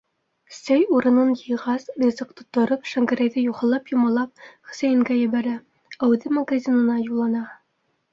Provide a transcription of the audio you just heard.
Сәй урынын йыйғас, ризыҡ тоттороп, Шәңгәрәйҙе юхалап-йомалап, Хөсәйенгә ебәрә, ә үҙе магазинына юллана.